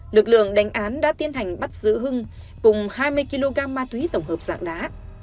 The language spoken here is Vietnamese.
lực lượng đánh án đã tiến hành bắt giữ hưng cùng hai mươi kg ma túy tổng hợp dạng đá